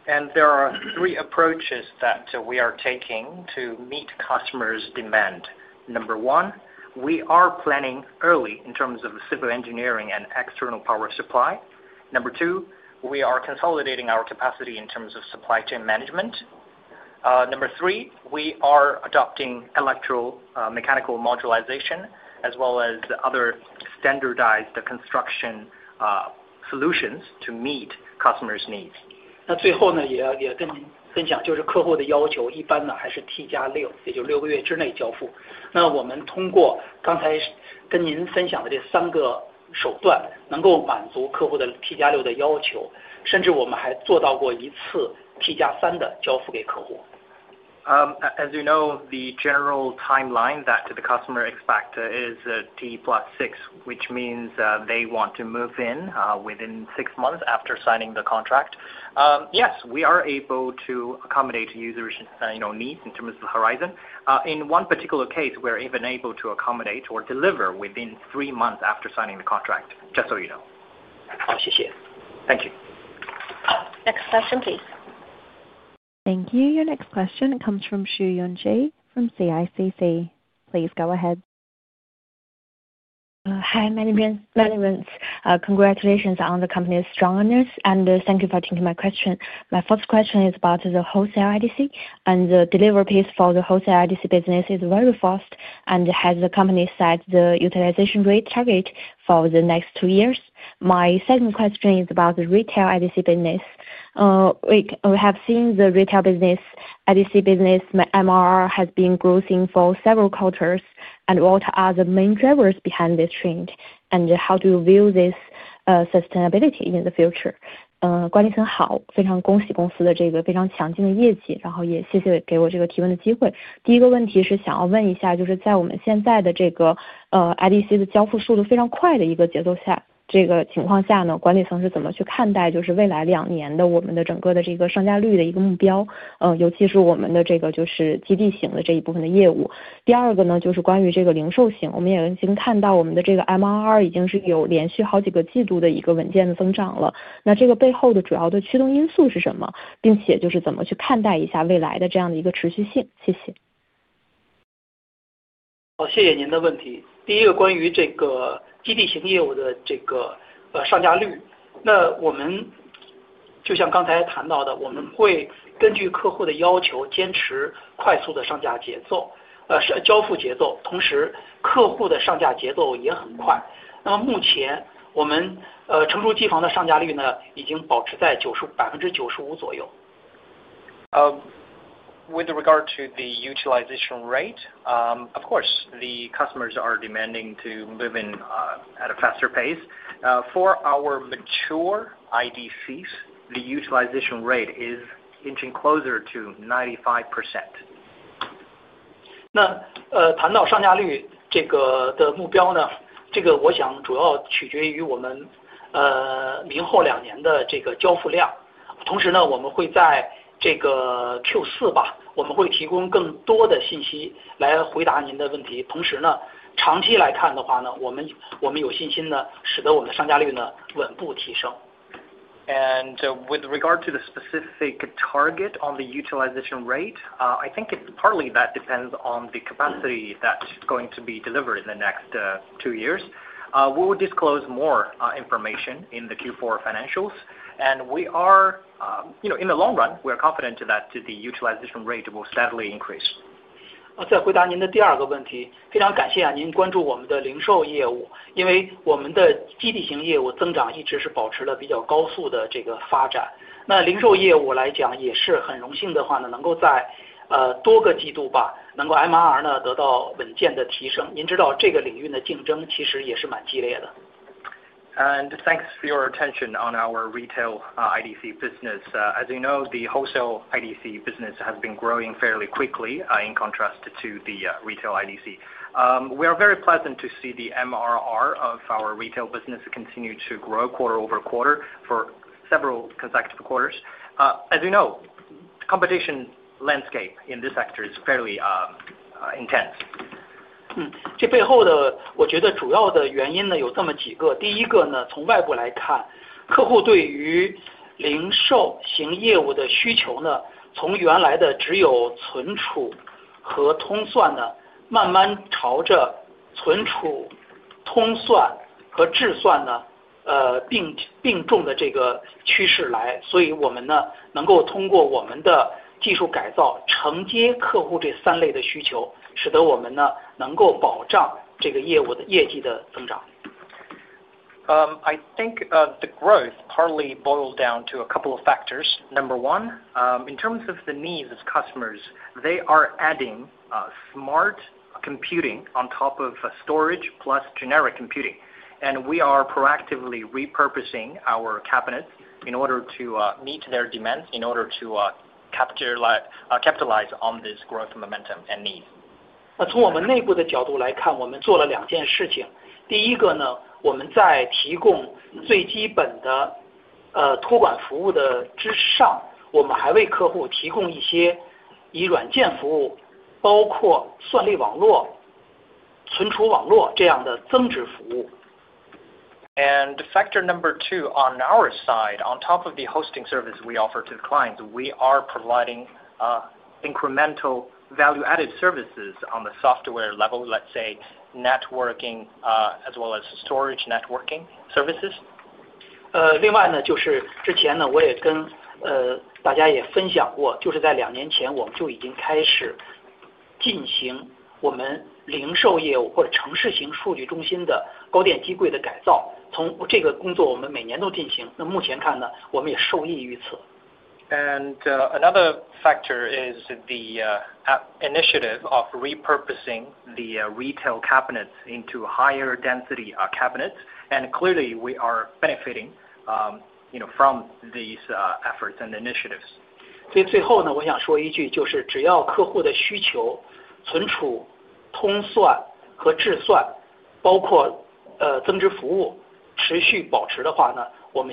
There are three approaches that we are taking to meet customers' demand. Number one, we are planning early in terms of civil engineering and external power supply. Number two, we are consolidating our capacity in terms of supply chain management. Number three, we are adopting electrical mechanical modularization, as well as other standardized construction solutions to meet customers' needs. 那最后呢，也跟您分享，就是客户的要求一般呢，还是T+6，也就是六个月之内交付。那我们通过刚才跟您分享的这三个手段，能够满足客户的T+6的要求，甚至我们还做到过一次T+3的交付给客户。As you know, the general timeline that the customer expects is T+6, which means they want to move in within six months after signing the contract. Yes, we are able to accommodate users' needs in terms of the horizon. In one particular case, we're even able to accommodate or deliver within three months after signing the contract, just so you know. 好，谢谢。Thank you. Next question, please. Thank you. Your next question comes from Xu Yunjie from CICC. Please go ahead. Hi, Management. Congratulations on the company's strong earners, and thank you for taking my question. My first question is about the wholesale IDC, and the delivery pace for the wholesale IDC business is very fast, and has the company set the utilization rate target for the next two years? My second question is about the retail IDC business. We have seen the retail business, IDC business, MRR has been growth in for several quarters, and what are the main drivers behind this trend, and how do you view this sustainability in the future? With regard to the utilization rate, of course, the customers are demanding to move in at a faster pace. For our mature IDCs, the utilization rate is inching closer to 95%. 那谈到上架率这个的目标呢，这个我想主要取决于我们明后两年的这个交付量。同时呢，我们会在这个Q4吧，我们会提供更多的信息来回答您的问题。同时呢，长期来看的话呢，我们有信心呢，使得我们的商家率呢，稳步提升。With regard to the specific target on the utilization rate, I think it partly depends on the capacity that's going to be delivered in the next two years. We will disclose more information in the Q4 financials, and we are, you know, in the long run, we are confident that the utilization rate will steadily increase. 再回答您的第二个问题，非常感谢您关注我们的零售业务，因为我们的基地型业务增长一直是保持了比较高速的这个发展。那零售业务来讲也是很荣幸的话呢，能够在多个季度吧，能够MRR呢，得到稳健的提升。您知道这个领域的竞争其实也是蛮激烈的。Thank you for your attention on our retail IDC business. As you know, the wholesale IDC business has been growing fairly quickly in contrast to the retail IDC. We are very pleased to see the MRR of our retail business continue to grow quarter over quarter for several consecutive quarters. As you know, the competition landscape in this sector is fairly intense. I think the growth partly boils down to a couple of factors. Number one, in terms of the needs of customers, they are adding smart computing on top of storage plus generic computing, and we are proactively repurposing our cabinets in order to meet their demands, in order to capitalize on this growth momentum and need. 从我们内部的角度来看，我们做了两件事情。第一个呢，我们在提供最基本的托管服务的之上，我们还为客户提供一些以软件服务，包括算力网络、存储网络这样的增值服务。Factor number two on our side, on top of the hosting service we offer to the clients, we are providing incremental value-added services on the software level, let's say networking, as well as storage networking services. 另外呢，就是之前呢，我也跟大家也分享过，就是在两年前我们就已经开始进行我们零售业务或者城市型数据中心的高电机柜的改造。从这个工作我们每年都进行，那目前看呢，我们也受益于此。Another factor is the initiative of repurposing the retail cabinets into higher density cabinets, and clearly we are benefiting from these efforts and initiatives. 最后呢，我想说一句，就是只要客户的需求、存储、通算和制算，包括增值服务持续保持的话呢，我们相信我们的零售业务呢，也能够随着客户的这些需求呢，持续地保持未来发展的持续性。Last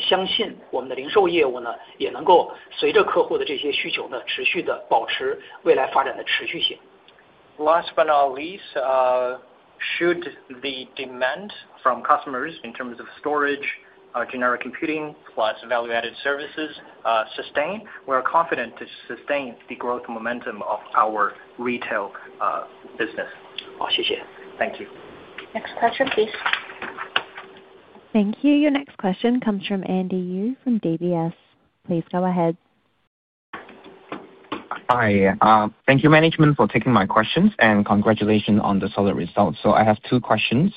but not least, should the demand from customers in terms of storage, generic computing plus value-added services sustain, we are confident to sustain the growth momentum of our retail business. 好，谢谢。Thank you. Next question, please. Thank you. Your next question comes from Andy Yu from DBS. Please go ahead. Hi, thank you Management for taking my questions and congratulations on the solid results. I have two questions.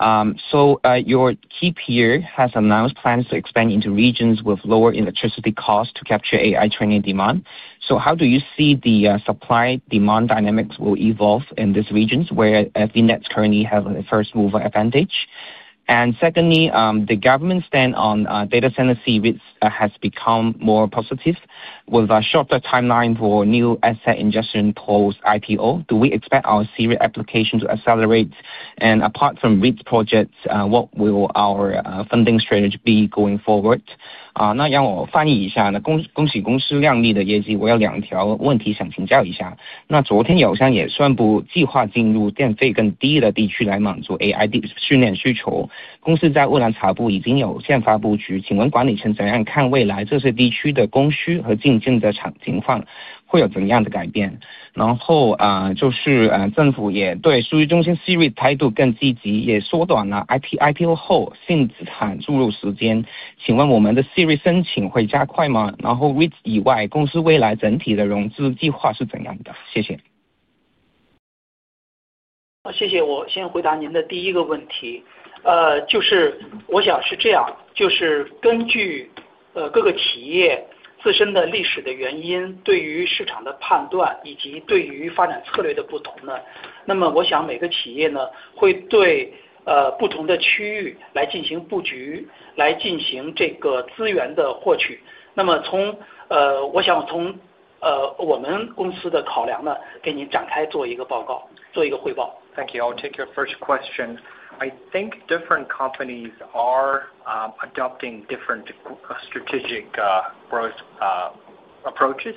Your key peer has announced plans to expand into regions with lower electricity costs to capture AI training demand. How do you see the supply-demand dynamics will evolve in these regions where VNET currently has a first-mover advantage? Secondly, the government's stand on data center C-REITs has become more positive. With a shorter timeline for new asset ingestion pools IPO, do we expect our C-REIT application to accelerate? Apart from REITs projects, what will our funding strategy be going forward? 好，谢谢。我先回答您的第一个问题，就是我想是这样，就是根据各个企业自身的历史的原因，对于市场的判断以及对于发展策略的不同呢，那么我想每个企业呢，会对不同的区域来进行布局，来进行这个资源的获取。那么从我想从我们公司的考量呢，给您展开做一个报告，做一个汇报。Thank you. I'll take your first question. I think different companies are adopting different strategic growth approaches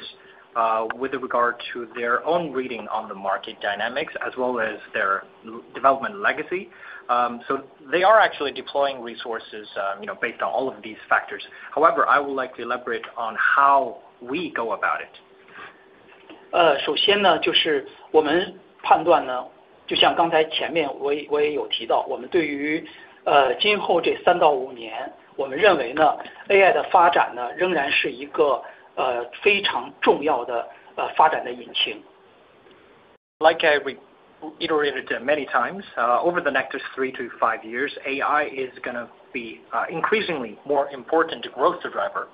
with regard to their own reading on the market dynamics as well as their development legacy. They are actually deploying resources based on all of these factors. However, I would like to elaborate on how we go about it. 首先呢，就是我们判断呢，就像刚才前面我也有提到，我们对于今后这三到五年，我们认为呢，AI的发展呢，仍然是一个非常重要的发展的引擎。Like I iterated many times, over the next three to five years, AI is going to be increasingly more important growth driver.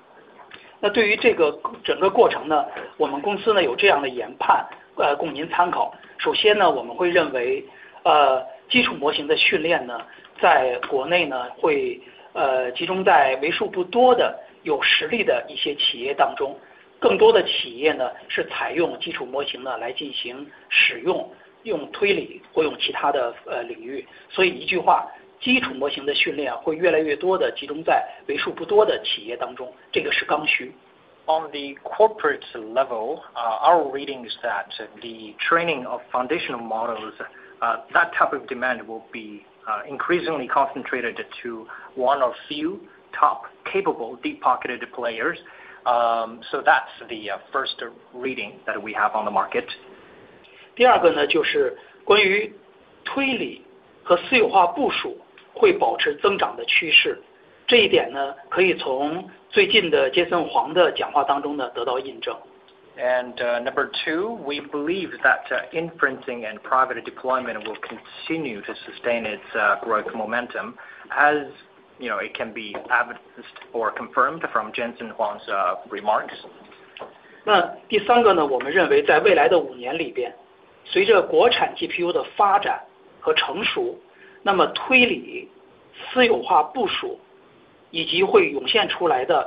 On the corporate level, our reading is that the training of foundational models, that type of demand will be increasingly concentrated to one or few top capable deep-pocketed players. That is the first reading that we have on the market. 第二个呢，就是关于推理和私有化部署会保持增长的趋势，这一点呢，可以从最近的杰森黄的讲话当中呢，得到印证。Number two, we believe that inferencing and private deployment will continue to sustain its growth momentum as it can be evidenced or confirmed from Jensen Huang's remarks. 第三个呢，我们认为在未来的五年里边，随着国产GPU的发展和成熟，那么推理、私有化部署以及会涌现出来的群体智能，这些都是我们必须要持续关注的客户需求。Number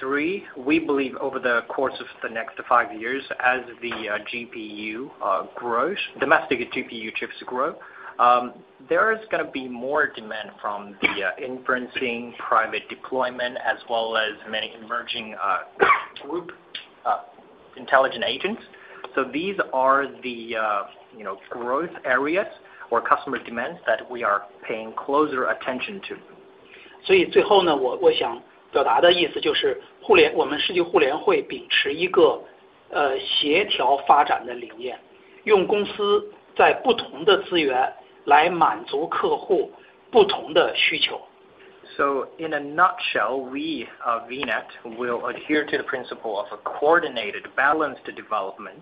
three, we believe over the course of the next five years, as the GPU grows, domestic GPU chips grow, there is going to be more demand from the inferencing, private deployment, as well as many emerging group intelligent agents. These are the growth areas or customer demands that we are paying closer attention to. 所以最后呢，我想表达的意思就是，我们世纪互联会秉持一个协调发展的理念，用公司在不同的资源来满足客户不同的需求。In a nutshell, we at VNET will adhere to the principle of a coordinated, balanced development,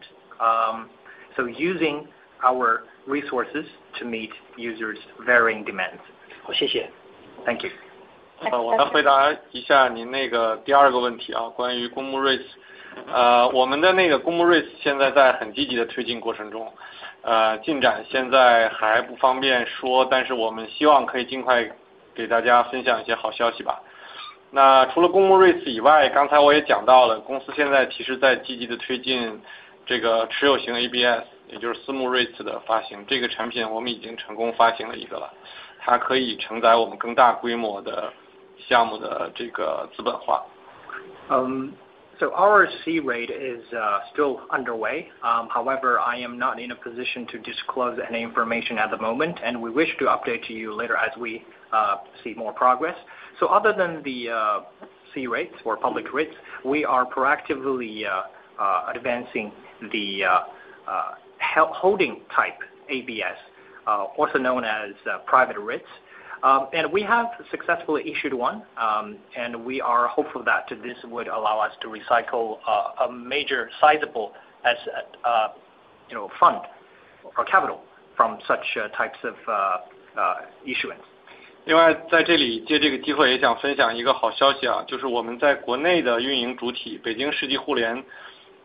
using our resources to meet users' varying demands. 好，谢谢。Thank you. 好，我要回答一下您那个第二个问题，关于公募REITs。我们的那个公募REITs现在在很积极的推进过程中，进展现在还不方便说，但是我们希望可以尽快给大家分享一些好消息吧。那除了公募REITs以外，刚才我也讲到了，公司现在其实在积极的推进这个持有型ABS，也就是私募REITs的发行。这个产品我们已经成功发行了一个了，它可以承载我们更大规模的项目的这个资本化。Our C-REIT is still underway. However, I am not in a position to disclose any information at the moment, and we wish to update you later as we see more progress. Other than the C-REITs or public REITs, we are proactively advancing the holding type ABS, also known as private REITs, and we have successfully issued one, and we are hopeful that this would allow us to recycle a major sizable fund or capital from such types of issuance.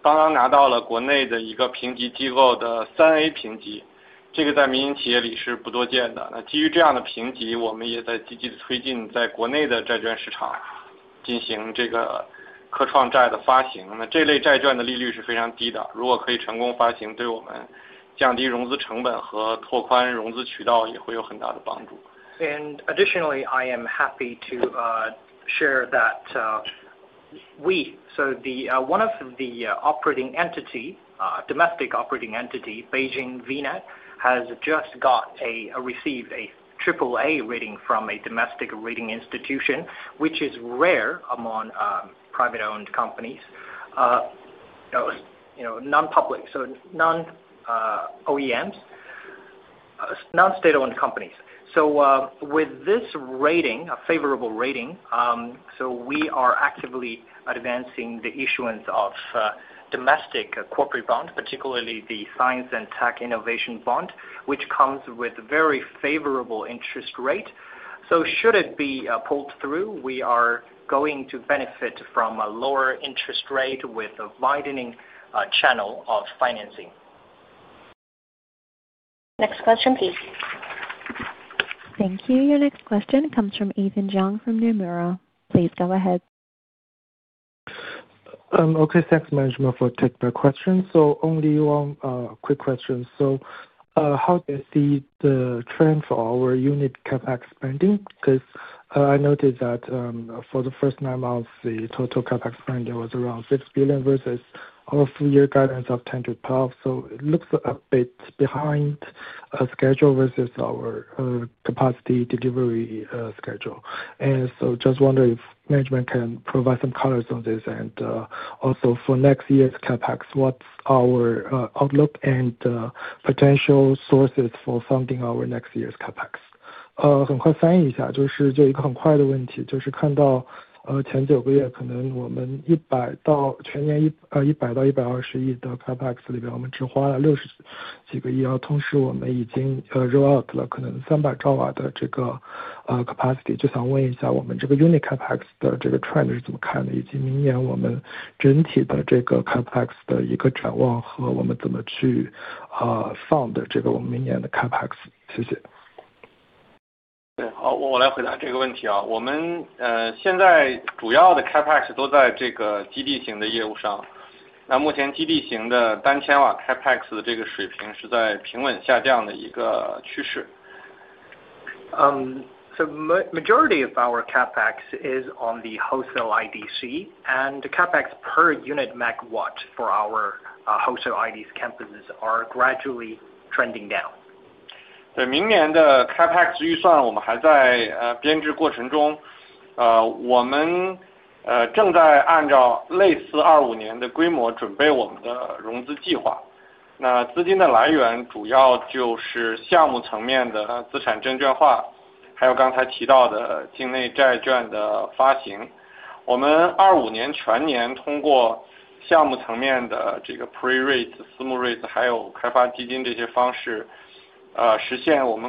在这里借这个机会也想分享一个好消息，就是我们在国内的运营主体，北京世纪互联刚刚拿到了国内的一个评级机构的3A评级，这个在民营企业里是不多见的。那基于这样的评级，我们也在积极的推进在国内的债券市场进行这个科创债的发行。那这类债券的利率是非常低的，如果可以成功发行，对我们降低融资成本和拓宽融资渠道也会有很大的帮助。Additionally, I am happy to share that we, so one of the operating entities, domestic operating entities, Beijing VNET, has just received a AAA rating from a domestic rating institution, which is rare among private-owned companies, non-public, so non-OEMs, non-state-owned companies. With this rating, a favorable rating, we are actively advancing the issuance of domestic corporate bonds, particularly the Science and Tech Innovation Bond, which comes with a very favorable interest rate. Should it be pulled through, we are going to benefit from a lower interest rate with a widening channel of financing. Next question, please. Thank you. Your next question comes from Ethan Jiang from Nomura. Please go ahead. Okay, thanks Management for taking my question. Only one quick question. How do you see the trend for our unit CapEx spending? I noticed that for the first time of the total CapEx spend, it was around 6 billion versus our full year guidance of 10-12 billion. It looks a bit behind schedule versus our capacity delivery schedule. I am just wondering if Management can provide some colors on this, and also for next year's CapEx, what's our outlook and potential sources for funding our next year's CapEx? 对，好，我来回答这个问题。我们现在主要的capex都在这个基地型的业务上，那目前基地型的单千瓦capex的这个水平是在平稳下降的一个趋势。The majority of our CapEx is on the wholesale IDC, and the CapEx per unit megawatt for our wholesale IDC campuses are gradually trending down. We are still in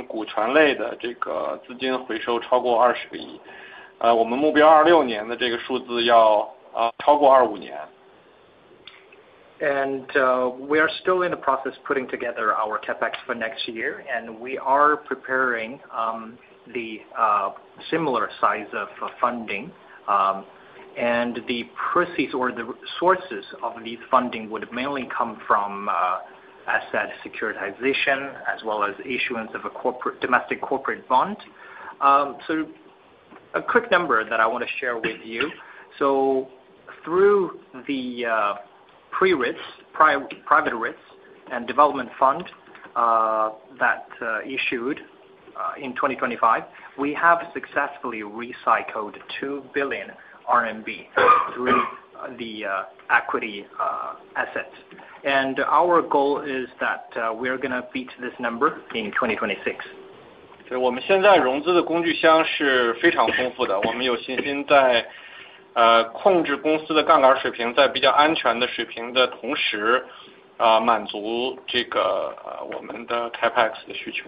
the process of putting together our CapEx for next year, and we are preparing the similar size of funding, and the proceeds or the sources of this funding would mainly come from asset securitization as well as issuance of a domestic corporate bond. A quick number that I want to share with you. Through the pre-REITs, private REITs, and development fund that issued in 2025, we have successfully recycled 2 billion RMB through the equity assets. Our goal is that we are going to beat this number in 2026. 所以我们现在融资的工具箱是非常丰富的，我们有信心在控制公司的杠杆水平在比较安全的水平的同时，满足这个我们的capex的需求。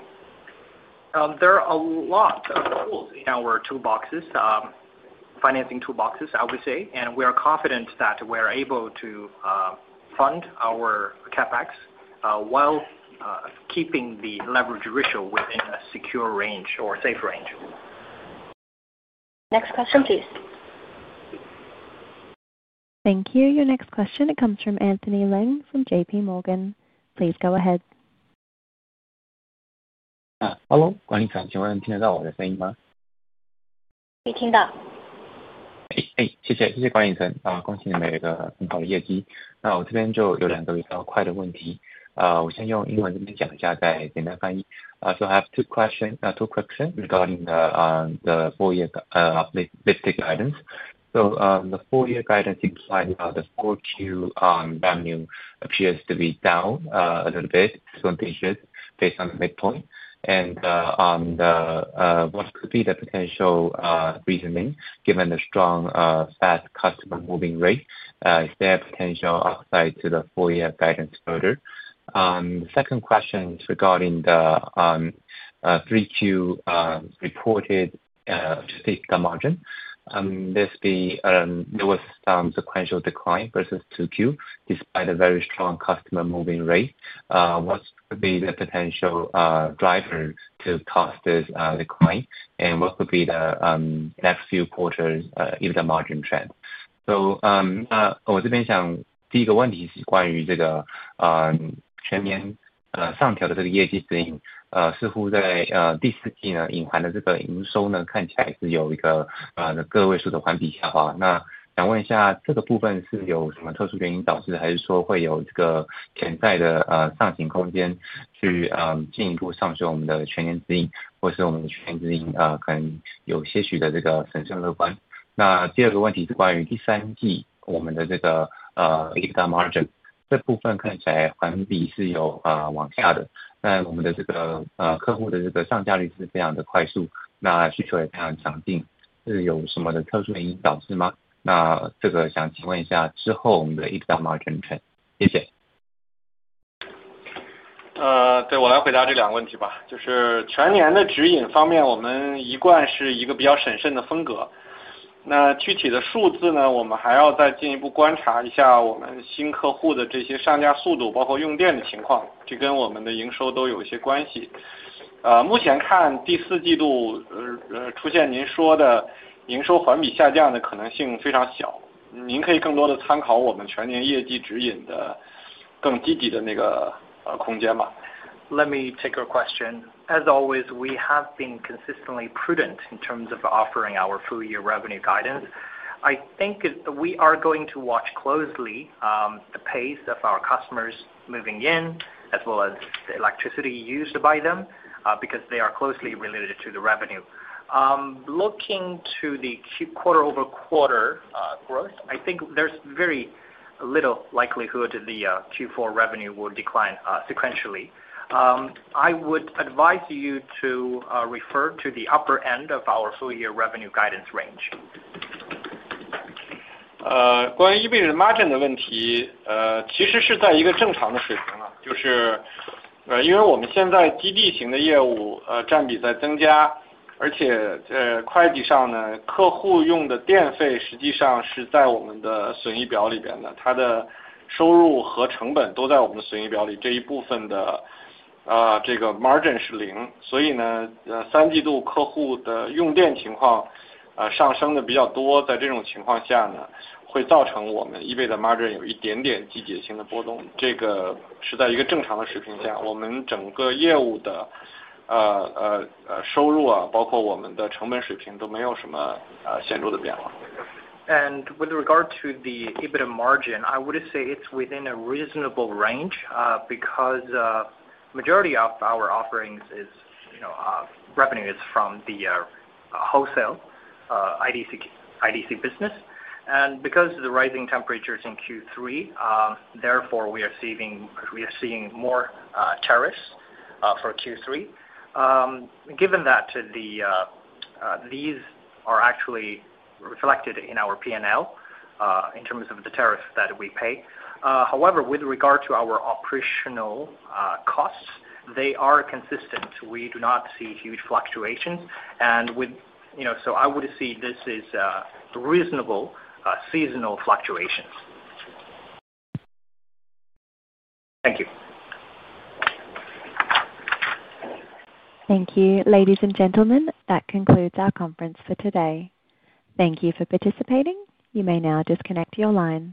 There are a lot of tools in our toolboxes, financing toolboxes, I would say, and we are confident that we are able to fund our CapEx while keeping the leverage ratio within a secure range or safe range. Next question, please. Thank you. Your next question, it comes from Anthony Leng from JP Morgan. Please go ahead. 哈喽，管理层，请问听得到我的声音吗？ 可以听到。strong, fast customer moving rate? Is there potential upside to the full-year guidance further? Second question is regarding the Q3 reported margin. There was some sequential decline versus Q2, despite a very strong customer moving rate. What could be the potential driver to cause this decline? What could be the next few quarters' EBITDA margin trend? So my first question is about the full-year upward revised guidance. It seems that in the fourth quarter, the implied revenue looks like there is a single-digit quarter-on-quarter decline. I would like to ask if there is any special reason for this part, or if there is potential upside to further revise up our full-year guidance, or if our full-year guidance is somewhat cautiously optimistic. The second question is about our Q3 EBITDA margin. This part seems to be down quarter-on-quarter, but our customer moving rate is very fast and demand is also very strong. Is there any special reason for this? I would like to ask about our future EBITDA margin trend. Thank you. 对，我来回答这两个问题吧。就是全年的指引方面，我们一贯是一个比较审慎的风格。那具体的数字呢，我们还要再进一步观察一下我们新客户的这些上架速度，包括用电的情况，这跟我们的营收都有一些关系。目前看第四季度出现您说的营收环比下降的可能性非常小，您可以更多的参考我们全年业绩指引的更积极的那个空间吧。Let me take your question. As always, we have been consistently prudent in terms of offering our full year revenue guidance. I think we are going to watch closely the pace of our customers moving in, as well as the electricity used by them, because they are closely related to the revenue. Looking to the quarter-over-quarter growth, I think there is very little likelihood the Q4 revenue will decline sequentially. I would advise you to refer to the upper end of our full year revenue guidance range. EBITDA margin 有一点点季节性的波动，这个是在一个正常的水平下。我们整个业务的收入啊，包括我们的成本水平都没有什么显著的变化。With regard to the EBITDA margin, I would say it's within a reasonable range, because the majority of our revenue is from the wholesale IDC business. Because of the rising temperatures in Q3, we are seeing more tariffs for Q3. Given that, these are actually reflected in our P&L in terms of the tariffs that we pay. However, with regard to our operational costs, they are consistent. We do not see huge fluctuations. I would see this as reasonable seasonal fluctuations. Thank you. Thank you. Ladies and gentlemen, that concludes our conference for today. Thank you for participating. You may now disconnect your lines.